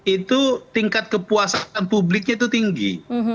itu tingkat kepuasan publiknya itu tinggi